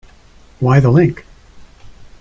Why the link?